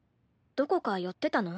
どこか寄ってたの？